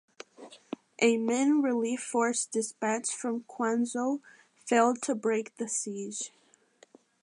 A Min relief force dispatched from Quanzhou failed to break the siege.